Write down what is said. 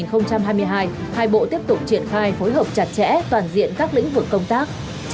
năm hai nghìn hai mươi hai hai bộ tiếp tục triển khai phối hợp chặt chẽ toàn diện các lĩnh vực công tác